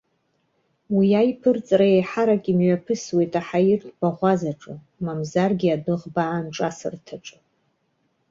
Уи аиԥырҵра еиҳарак имҩаԥысуеит аҳаиртә баӷәазаҿы, мамзаргьы адәыӷба аанҿасырҭаҿы.